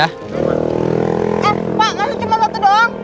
eh pak masih cuma waktu doang